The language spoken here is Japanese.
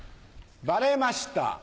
バレました